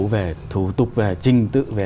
về thủ tục về trình tự về